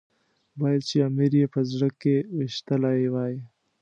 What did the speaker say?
باید چې امیر یې په زړه کې ويشتلی وای.